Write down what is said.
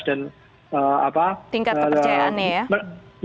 tingkat kepercayaan ya